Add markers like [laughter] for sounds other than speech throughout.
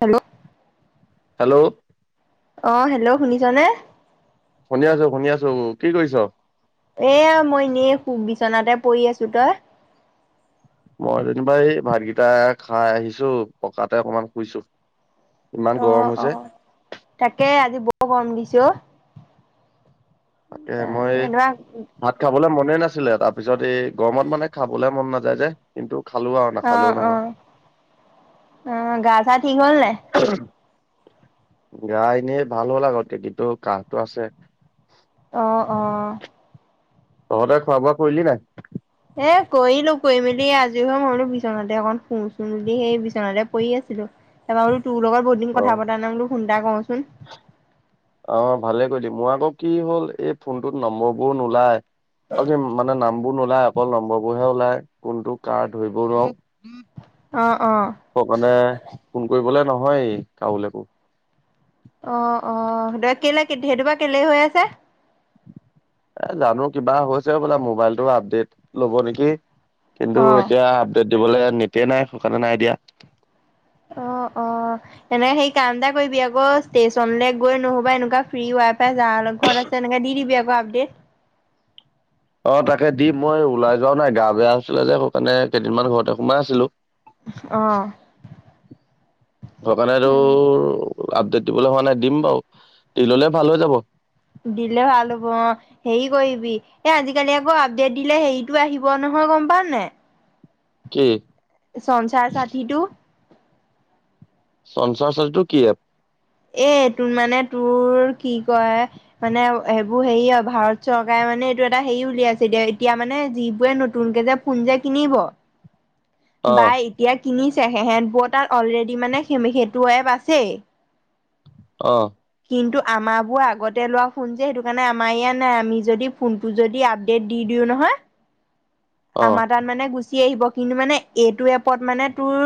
Hello! Hello! অ', hello শুনিছ নে? শুনি আছোঁ, শুনি আছোঁ কি কৰিছ? এয়া মই এনেই খু বিচনাতে পৰি আছোঁ, তই? মই যেনিবা এই ভাতকিটা খাই আহিছোঁ পকাতে অকমান শুইছোঁ। অ', অ', তাকে আজি বৰ গৰম দিছে অ'। তাকে মই এনেকুৱা ভাত খাবলে মনে নাছিলে তাৰ পিছত এই গৰমত মানে খাবলে মন নাযায় যে, কিন্তু খালোঁ আৰু! নাখালেও অ', নহয় অ', অ', গা চা ঠিক হ'ল নাই! গা এনেই ভাল হ'ল আগতে, কিন্তু কাহটো আছে। অ', অ'। তহঁতে খোৱা বোৱা কৰিলি নাই? এ, কৰিলোঁ কৰি মেলি আজৰি হৈ মই বোলো বিচনাতে অকণ শু চোন বুলি সেই বিচনাতে পৰি আছিলোঁ। তাৰপা বোলো তোৰ লগ বহুত দিন অ কথা পতা নাই বোলো ফোনটা কৰোঁ চোন। অ', ভালে কৰিলি, মোৰ আকৌ কি হ'ল এই ফোনটোত নম্বৰবোৰ নোলায়। অ', কি মানে নামবোৰ নোলায়, অকল নম্বৰবোৰ হে ওলাই, কোনটো কাৰ ধৰিব নোৱাৰোঁ। অ', অ'। সৌকাৰণে ফোন কৰিবলে নহয় কাৰোলেকো। অ', অ', [unintelligible] কেলে সেইটো বা কেলে হৈ আছে? এ, জানো কিবা হৈছে হ'বলা মোবাইলটো আপডেট ল'ব নেকি কিন্তু অ এতিয়া দিবলে নেটয়েই নাই, সৌকাৰণে নাই দিয়া। অ', অ', এনেকে সেই কাম এটা কৰিবি আকৌ ষ্টেচনলৈ গৈ নহ'বা এনেকুৱা ফ্ৰী ৱাই ফাই যাৰ ঘৰত আছে, এনেকে দি দিবি আকৌ আপডেট। অ', তাকে দিম মই ওলাই যোৱাও নাই গা বেয়া হৈছিলে যে সৌকাৰণে কেইদিনমান ঘৰতে সোমাই আছিলোঁ। অ'। সৌ কাৰণে উম, তোৰ আপডেট দিবলৈ হোৱা নাই দিম বাৰু দি ল'লে ভাল হৈ যাব। দিলে ভাল হ'ব অ'। হেৰি কৰিবি এ, আজিকালি আকৌ আপডেট দিলে হেৰিটো আহিব নহয় গম পাঅ নাই! কি? সংঞ্চাৰ সাথীটো। সংঞ্চাৰ সাথীটো কি এপ? এ, এইটো মানে তোৰ কি কয় মানে এইবোৰ হেৰিয়ৰ, ভাৰত চৰকাৰে মানে এইটো এটা হেৰি উলিয়াইছে এতিয়া, এতিয়া মানে যিবোৰে নতুনকে যে ফোন যে কিনিব, অ বা এতিয়া কিনিছে সেহেতবোৰৰ তাত অলৰেডি মানে সেইটো এপ আছেই। অ'। কিন্তু আমাৰবোৰ আগতে লোৱা ফোন যে সেইটো কাৰণে আমাৰ ইয়াত নাই, আমি যদি ফোন টো যদি আপডেট দি দিওঁ নহয় অ আমাৰ তাত মানে গুচি আহিব, কিন্তু মানে এইটো এপত মানে তোৰ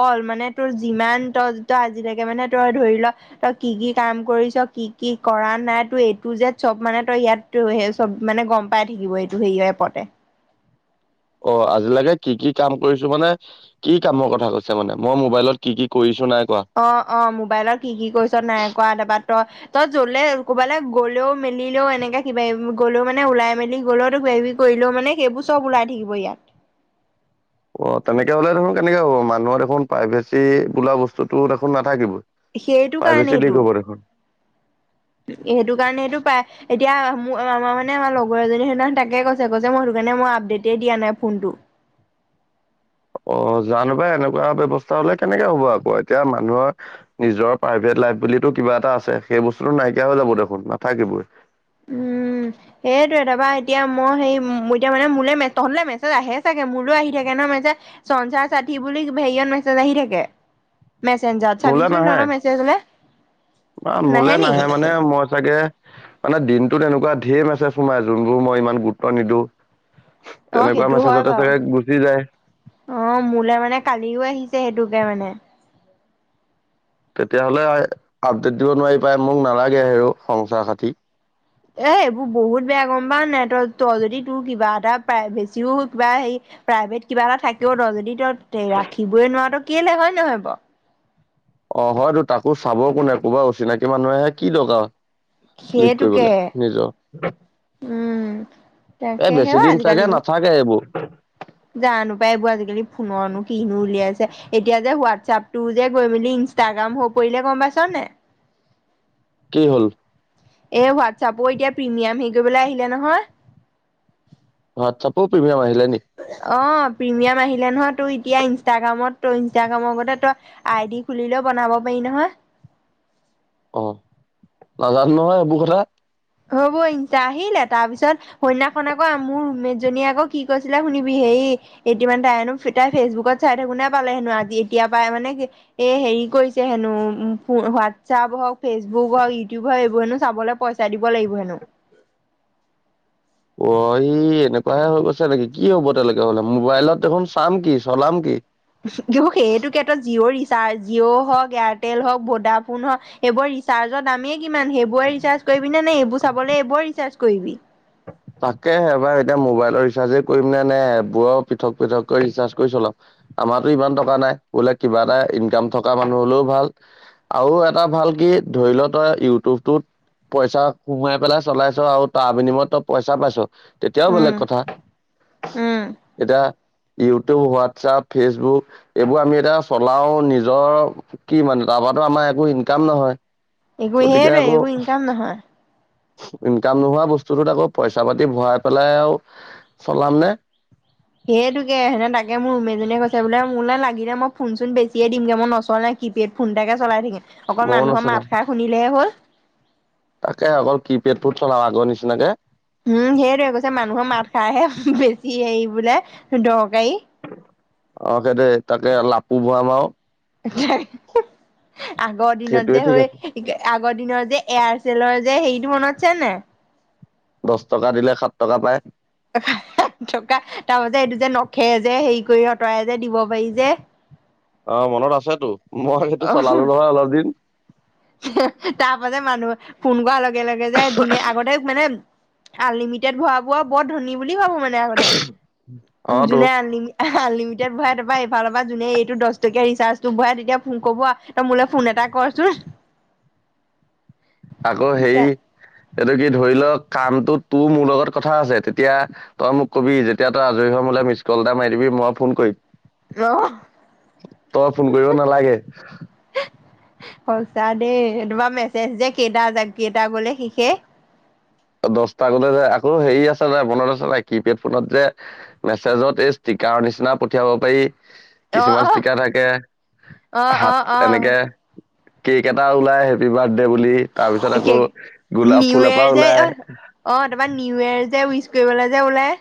অল মানে তোৰ যিমান ত' তই আজিলেকে মানে তোৰ ধৰি ল তই কি, কি কাম কৰিছ কি, কি কৰা নাই তোৰ এ, টো জেদ চব মানে তই ইয়াত টো সেই চব মানে গম পাই থাকিব এইটো হেৰিয় এপতে। অ', আজিলৈকে কি, কি কাম কৰিছোঁ মানে কি কামৰ কথা কৈছে মানে মই মোবাইলত কি, কি কৰিছোঁ নাই কৰা! অ', অ', মোবাইলত কি, কি কৰিছ নাই কৰা তাৰপা তই তই য'লে ক'বালে গ'লেও মেলিলেও এনেকে কিবা গ'লেও মানে ওলাই মেলি গ'লেও তোক কৰিলেও মানে সেইবোৰ চব ওলাই থাকিব ইয়াত। অ', তেনেকে হ'লে দেখোন কেনেকে হ'ব, মানুহৰ দেখোন প্ৰাইভেচী বোলা বস্তুতো দেখোন নাথাকিবই। সেইটো প্ৰাইভেচী কাৰণেইটো লিক হ'ব দেখোন! সেইটো কাৰণে সেইটো পায় এতিয়া মোৰ মমাৰ মানে আমাৰ লগৰ এজনী সেইদিনাহ তাকে কৈছে কৈছে মই সেইটো কাৰণে মই আপডেট দিয়া নাই ফোনটো। অ' জানোবা এনেকুৱা ব্যৱস্থা হলে কেনেকে হ'ব আকৌ এতিয়া মানুহৰ নিজৰ প্ৰাইভেট লাইফ বো কিবা এটা আছে সেই বস্তুতটো নাইকিয়া হৈ যাব দেখোন নাথাকিবই। উম', সেইটোৱে তাৰপা এতিয়া মই সেই এতিয়া মানে মোলৈে তহঁলে মেছেজ আহে চাগে মোলৈ আহি থাকে ন মেছেজ চঞ্চাৰ চাঠি বুলি হেৰিয়ত মেছেজ আহি থাকে। মেছে্জত মোলে চাবিচোন নাহে ন মেছেজলে বা মোলে নাহে নেকি? মানে মই চাগে মানে দিনটোত এনেকুৱা ধঢেৰম আছে সোমাই যোনবোৰ মই ইমান গুৰুত্ব নিদিওঁ। অ তেনেকুৱা সেইটো হয় মেছেজতে বাৰু চাগে গুচি যায়। অ' মোলৈ মানে কালিও আহিছে সেইটোকে মানে। তেতিয়াাহ'লে আপডেট দিব নোৱাৰি পাই মোক নালাগে হে সংচাৰ খাতি। এ' এইবোৰ বহুত বেয়া গম পাৱ নাই তই তই যদি তোৰ কিবা এটা বেছিও কিবা হেৰি প্ৰাইভেট কিবা এটা থাকেও ৰ যদি ত ৰাখিবই নোৱাৰ তটো কেলে হয় নহয় বাৰ। অ' হয়তো তাকো চাব কোনে কোবা অচিনাকি মানুহেহে কি দৰকাৰ লিক সেইটোকে কৰিবলৈ নিজৰ। উম তাকে এই সেৱা বেছি দিন চাগে নাথাকে এইবোৰ জান নোাপায় এইবোৰ আজিকালি ফোনৰনো কিনো উলিয়াইছে এতিয়া যে হোৱাটছপ টো যে গৈ মেলি ইষ্টাগ্ৰাম হৈ পৰিলে গম পাইছ নে? কি হ'ল? এ হোৱাটছআপো এতিয়া প্ৰিমিয়াম হেৰি কৰিবলৈ আহিলে নহয়। ৱাটচাপোৰ প্ৰিমিয়ম আহিলে? অ প্ৰিমিয়াম আহিলে নহয় তোৰ এতিয়া ইনষ্টাগ্ৰামত তই ইনষ্টাগ্ৰামৰতে তই। আই দি খুলিলেও বনাব পাৰি নহয়। অ নাজানো নহয় এইবোৰ কথা। হ'ব ইা আহিলে তাৰপিছত। কইন্যখন আকৌ মোৰ ৰোমমেত জনীয়ে আকৌ কি কৈছিলে শুনিবি হেই। এতিয়া মানে তাইনো তাই ফেচবুকত চাই থাকো নে পালে হেনো আজি এতিয়া পাই মানে। এ হেৰি কৰিছে হেনো উ হোৱাটছআপ হওক ফেচবুক হওক ইউটিউব হওক এইবোৰ হেনো চাবলৈ পই। চাই দিব লাগিব হেনো। অহি এনেকুৱাহে হৈ গৈছে নেকি কি হব তেনেকে হলে মোবাইলত দেখোন চাম কি? চলাম কি? কিন্তু সেইটো ক্ষেত্ৰত জিঅ' ৰিচাৰ্জ জিঅ' হওক এয়াৰটেল হওক ভোডাফোন হওক। সেইবোৰ ৰিচাৰ্জৰ দামেই কিমান সেইবোৰে ৰিচাৰ্জ কৰিবি নে এইবোৰ চাবলৈ এইবোৰ ৰিচাৰ্জ কৰিবি? তাকেে এবাৰ এতিয়া মোবাইলৰ ৰিচাৰ্জে কৰিম নে নে এপবোৰৰ পৃথক পৃথক কৰি ৰিচাৰ্জ কৰি চলাম? আমাৰো ইমান টকা নাই বোলে কিবা এটা ইনকাম থকা মানুহ হলেও ভাল। আৰু এটা ভাল কি ধৰি ল তই ইউটিউবটোত। পইচা সোমাই পেলাই চলাইছো আৰু তাৰ বিনিময়ত। পইচা পাইছো তেতিয়াও উম বেলেগ কথা উম এতিয়া। ইউটিউব হোৱাটছআপ ফেচবুক এইবোৰ আমি এতিয়া চলাওঁ নিজৰ। কি মানহ তাৰপৰা আমাৰ একো ইনকাম নহয়। একো গতিকে সেইটোৱে আকৌ একো ইনকাম নহয় ইনকাম নোহোৱা বস্তুটোত আকৌ। পইচা পাতি ভৰাই পেলাই আৰুও চলাম নে। সেইটোকে সেনে তাকে মোৰ ৰোমমেট জনীয়ে কৈছে বোলে মোৰ নে লাগিলে মই ফোন চোন বেছিয়ে দিমগে মই নচ নাই। কিপেড ফোন এটাকো চলাই থাকে অকল ময়ো মানুহৰ নচলাম মাত খাৰ শুিনিলেহে হ'ল। তাকে অকল কি পেডবোৰ চলাও আগৰ নিচিনাকে। উম সেইটোৱে কৈছে মানুহৰ মাত খাৰহে বেছি হে বোলে দৰকাৰী। অ সেইটোৱে তাকে লাপু ভৰাম আৰু আগৰ দিনত সেইটোৱে যে ঠিক হৈ। আছে আগৰ দিনৰ যে এয়াৰচেলৰ যে হেৰিটো মনত আছেনে নে নাই? দহ টকা দিলে সাত টকা পায়। [inaudible] থকা তাৰপাছ এইটো যে নখে যে হেৰি কৰি আঁতৰাই যে দিব পাৰি যে? অ', মনত আছেতো মই সেইটো অ চলালো নহয় অলপ দিন। তাৰ পাছ মানুহ ফোন কৰাৰ লগে লগে যে যোনে আগতে মানে আনলিমিটেড ভৰাবোৰ বৰ ধনী বুলি ভাবো মানে আগতে অ তো যোনে আনলিমি আনলিমিেড ভৰাই তাৰপা এইফালৰ পৰা যোনে এইটো দহ টকীয়া ৰিচাৰ্জটো ভৰাই তেতিয়া কৰিব আৰু। তই মোলে ফোন এটা কৰচোন। আকৌ হেৰি এইটো কি ধৰি লওঁক কামটো তোৰ মোৰ লগত কথা আছে তেতিয়া তই মোক কবি যেতিয়া তই আজৰি হৈ মোলে মিছ কল এটা মাৰি দিবি মই ফোন কৰিম। অ তই ফোন কৰিব নালাগে। সঁচা দেই তোমাৰ মেছেজ যে কেইটা কেইটা গ'লে শেষে। দহটা গ'লে যে আকৌ হেৰি আছে নাই মনত আছে নে নাই কিপেড ফোনত যে মেছেজত এই ষ্টিকাৰৰ নিচিনা পঠিয়াব পাৰি। অ কিছুমান অ ষ্টিকাৰ থাকে অ অ হাত অ এনেকে। কেক এটা ওলাই হেপি বাৰ্থডে বুলি তাৰ পিছত আকৌ গোলাপ নিউ ফুল ইয়েৰ এপাহ যে ওলাই। অ', তাৰপা নিউ ইয়েৰ যে উইচ কৰিবলে যে ওলাই।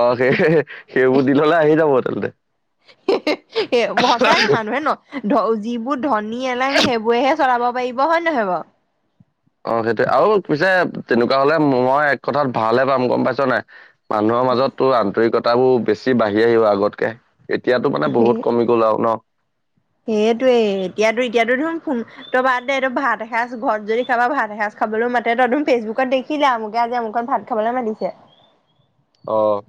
অ', সেই সেইবোৰ দিনলে আহি যাব তেন্তে। [unintelligible] এ সঁচাকে মানুহে ন ধ যিবোৰ ধনী এলং সেইবোৰেহে চলাব পাৰিব হয় নহয় বাৰু। অ', সেইটোৱে আৰু পিছে তেনেকুৱা হ'লে মই এক কথাত ভালহে পাম গম পাইছ নাই? মানুহৰ মাজতো আন্তৰিকতাবোৰ বেছি বাঢ়ি আহিব আগতকে। এতিয়াতো মানে সেই বহুত কমি গ'ল আৰু ন। সেইটোৱে এতিয়াতো এতিয়াতো চোন ত' বাদ দে এইদটো ভাত এসাঁজ ঘৰত যদি খাবা ভাত এসাঁজ খাবলৈ মাতে তই ফেচবুকত দেখি খিলি আৰু এয়া যে অমুকত ভাত খাবলৈ মাতিছে। অ'।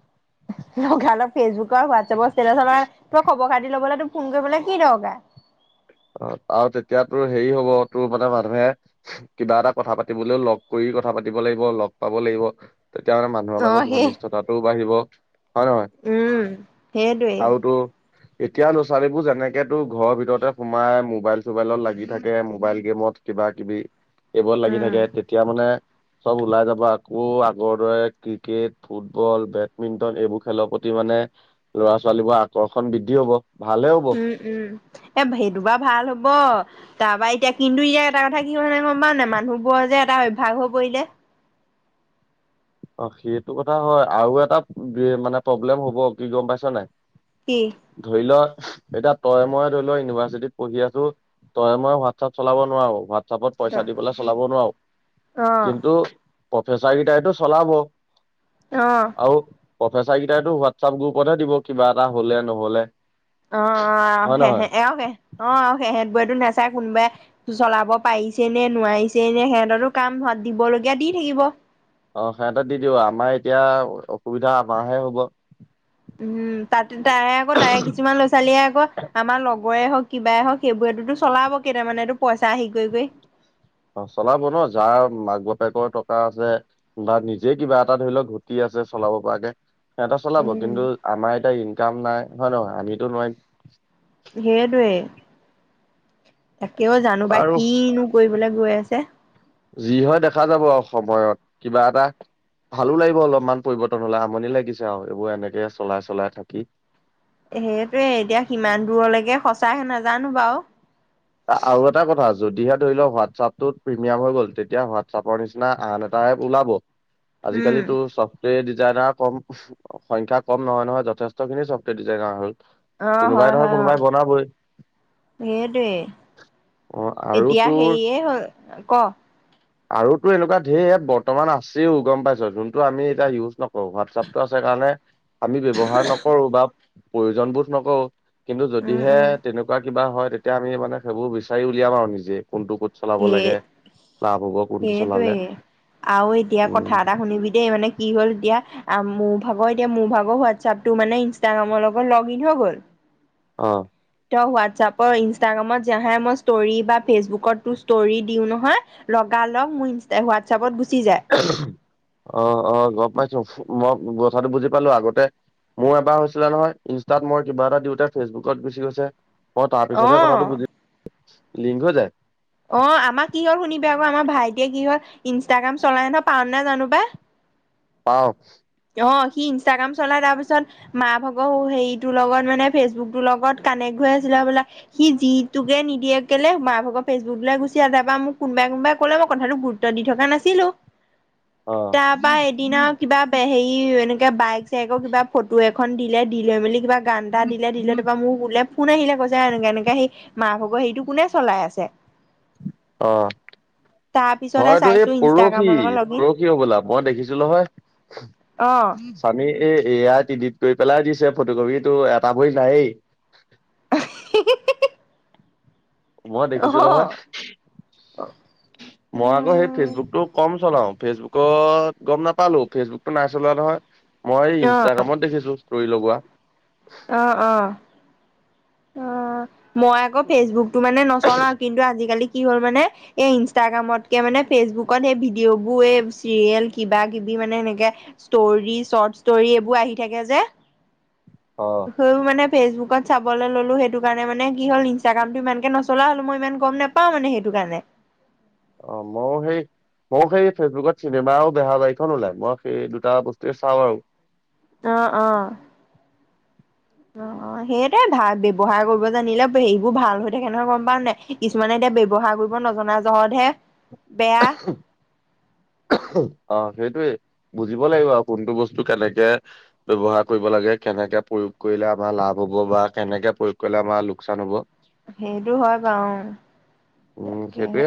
লগা ফেচবুকৰ হোৱাটছএপৰ ষ্টেতাচৰত আৰু খবৰ খাতি ল'বলৈ তোৰ ফোন কৰিবলে কি দৰকা। অ', আৰু তেতিয়া তোৰ হেৰি হ'ব তোৰ মানে মানুহে কিবা এটা কথা পাতিবলৈও লগ কৰি কথা পাতিব লাগিব লগ পাব লাগিব। তেতিয়া মানে মানুহৰ অ মাজত সেই ঘনিষ্ঠতাটোও বাঢ়িব। হয় নহয় উম সেইটোৱে আৰুতো এতিয়া ল'ৰা ছোৱালীবোৰ যেনেকে তোৰ ঘৰৰ ভিতৰতে সোমাই মোবাইল চোবাইলত লাগি থাকে মোবাইল গেমত কিবা কিবি। এইবোৰ লাগি উম থাকে তেতিয়া মানে চব ওলাই যাব আকৌ আগৰ দৰে ক্ৰিকেট ফুটবল বেডমিন্টন এইবোৰ খেলৰ প্ৰতি মানে ল'ৰা ছোৱালীবোৰ আকৰ্ষণ বৃদ্ধি হ'ব ভালে হ'ব। উম উম, এ সেইটো বাৰু ভাল হ'ব তাৰপা এতিয়া কিন্তু ইয়াৰ এটা কথা কি হয়ে গম পাওঁ নে মানুহবোৰৰ যে এটা অভ্যাস হৈ পৰিলে। অ', সেইটো কথা হয় আৰু এটা মানে প্ৰব্লেম হ'ব কি গম পাইছ নাই? কি? ধৰি ল এতিয়া তই মই ধৰি ল ইউনিভাৰ্চিটিত পঢ়ি আছো। তই মই হোৱাটছআপ চলাব নোৱাৰোৱা। হিচাপত অ পইচা দি পেলাই চলাব নোৱাৰো। অ কিন্তু প্ৰফেচাৰ কেইটাইতো চলাব। অ'। আৰু প্ৰফেচাৰ কেইটাইো হোৱাটছাপ গ্ৰুপতহে দিব কিবা এটা হ'লে নহ'লে। অ', হয় নহয় অ', অ', সেহেঁত বোৰেতো নাচায় কোনোবাই চলাব পাৰিছে নে নোৱাৰিছেই নে সিহঁতো কাম দিবলগীয়া দি থাকিব। অ', সিহঁতে দি দিব আমাৰ এতিয়া অসুবিধা আমাৰ হে হ'ব। উম, তাতে তাৰে আকৌ তাৰে কিছুমান ল'ৰা ছোৱালীয়ে আকৌ আমাৰ লগ বৰে হওঁক কিবাই হওঁক সেইবোৰেতো চলাব কেইটা মানেতো পইচা হেৰি কৰি কৰি। অ', চলাব ন যাৰ মাক বাপেকৰ টকা আছে। নিজে কিবা এটা ধৰি লওঁক ঘটি আছে চলাব পৰাকে। সেহঁতে চলাব উম কিন্তু আমাৰ এতিয়া ইনকাম নাই হয় নে নহয় আমিতো নোৱাৰিম। সেইটোৱে। তাকেও জানো বা আৰু কিনো কৰিবলৈ গৈ আছে। যি হয় দেখা যাব আৰু সময়ত কিবা এটা ভালো লাগিব অলপমান পৰিৱৰ্তন হ'লে আমনি লাগিছে আৰু এইবোৰ এনেকে চলাই চলাই থাকি। সেইটোয়ে এতিয়া কিমান দূৰলৈকে সঁচা হয় নাজানো বাৰু। আৰু এটা কথা যদিহে ধৰি লওঁক হোৱাটছআপটোত প্ৰিমিয়াম হৈ গ'ল তেতিয়া হোৱাটছআপৰ নিচিনা আন এটা এপ ওলাব। [inaudible] আজিকালিতো চব সেই ডিজাইনাৰ কম সংখ্যা কম নহয় নহয় যথেষ্টখিনি চফ্টওৱেৰ ডিজাইনাৰ হ'ল। কোনোবাই নহয় কোনোবাই বনাবই। সেইটোৱেই অ আৰু এতিয়া তোৰ সেয়ে হ'ল ক'। আৰুতো এনেকুৱা ধেৰ এপ বৰ্তমান আছেও গম পাইছ। যোনটো আমি এতিয়া ইউজ নক অ', হোৱাটছপটো আছে কাৰণে আমি ব্যৱহাৰ নকৰো বা প্ৰয়োজন বোধ নকৰো। কিন্তু উম যদিহে উম তেনেকুৱা কিবা হয় তেতিয়া আমি মানে সেইবোৰ বিচাৰি উলিয়াম আৰু নিজে কোনটো চলাব সেই লাগে। লাভ হ'ব। কোনটো চলালে সেইটোৱে আৰু এতিয়া উম কথা এটা শুনিবি দেই মানে কি হ'ল এতিয়া মোৰ ভাগৰ এতিয়া মোৰ ভাগৰ হোৱাটছআপটো মানে ইনষ্টাগ্ৰামৰ লগত লগ ইন হৈ গ'ল। অ'। তেওঁ হোৱাটছআপৰ ইনষ্টাগ্ৰামত যোহে মই ষ্টৰি বা ফেচবুকতো ষ্টৰি দিওঁ নহয়। লগাল লগ মোৰ ইনচ হোৱাটছআপত গুচি যায়। অ', অ', গম পাইছো মই কথাটো বুজি পালো আগতে মোৰ এবাৰ হৈছিলে নহয় ইনষ্টাত মই কিবা এটা দিওঁতে ফেচবুকত গুচি গৈছে। অ', তাৰ পিছতহে কথাটো অ বুজি লিংক হৈ যায়। অ', আমাৰ কি হ'ল শুনিবি আকৌ আমাৰ ভাইটিয়ে কি হ'ল ইনষ্টাগ্ৰাম চলাই নহয় পাওঁ নে জানো প্ৰায়। পাওঁ। অ', সি ইনষ্টাগ্ৰাম চলাই তাৰ পিছত মা ভাগৰ হেৰিটোৰ লগত মানে ফেচবুকটোৰ লগত কানেক্ট হৈ আছিলে হ'বলা। সি যিটোকে নিদিয়ে কেলে মা ভাগৰ ফেচবুক লৈ গুচি আহে। তাৰপৰা মোক কোনোবাই কোনোবাই ক'লে মই কথাটো গুৰু দি থকা নাছিলো। অ তাৰ পৰা এদিনা কিবা হেৰি এনেকে বাইক চাইকৰ কিবা ফটো এখন দিলে দি লৈ মেলি কিবা গান এটা দিলে দিলে তাৰপ পৰা মোৰ বোলে ফোন আহিলে কৈছে এনেকে এনেকে সি মা ভাগৰ সেইটো কোনে চলাই আছে? অ', তাৰ পিছতহে হয়তো এই চাইছো পৰহি ইনষ্টাগ্ৰামৰ লগত লগ ইন পৰ হি হ'ব'লা মই দেখিছো নহয়। অ চাবি এই এয়া ই এডিট কৰি পেলাই দিছে ফটো কপি সেইটো এটা ভৰি নাইয়ে। [inaudible] মই অ দেখিছো নহয়। মই আকৌ সেই উম, ফেচবুকটো কম চলাও ফেচবুকত গম নাপালো ফেচবুকত নাই চলোৱা নহয়। মই অ ইনষ্টাগ্ৰামত দেখিছো ষ্টৰি লগোৱা। অ', অ'। অ', মই আকৌ ফেচবুকতটো মানে নচলাও কিন্তু আজিকালি কি হ'ল মানে এই ইনষ্টাগ্ৰামতকে মানে ফেচবুকত এই ভিডিঅ'বোৰ এই চিৰিয়েল কিবা কিবি মানে সেনেকে ষ্টৰী চৰ্ট ষ্টৰি এইবোৰ আহি থাকে যে। অ মানে ফেচবুকত চাব চাবলৈ ল'লো সেইটো কাৰণে মানে কি হ'ল ইনষ্টাগ্ৰামটো ইমানকে নচলোৱা হ'লো মই ইমান গম নাপাওঁ মানে সেইটো কাৰণে। অ ময় সেই মোৰ সেই ফেচবুকত চিনেমাও বেহা বাৰীখন ওলাই মই সেই দুটা বস্তুৱে চাওঁ আৰু অঁহ অহ অ সেইয়টাই ভা ব্যয়ৱহাৰ কৰিব জানিলে সেইবোৰ ভাল হৈ থাকে নহয় গম পাও নে নাই কিছুমানে এতিয়া ব্যৱহাৰ কৰিব নজনা জহতহে বেয়া অ সেইটোোৱে বুজিব লাগিব আৰু কোনটো বস্তু কেনেকে ব্যৱহাৰ কৰিব লাগে কেনেকে প্ৰয়োগ কৰিলে আমাৰ লাভ হ'ব বা কেনেকে প্ৰয়োগ কৰিলে আমাৰ লোকচান হব সেইটো হয় বাৰু উম সেইটোৱে তাকেহে